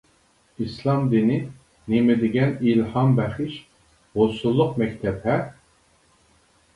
ئىسلام دىنى نېمە دېگەن ئىلھامبەخش، ھوسۇللۇق مەكتەپ ھە!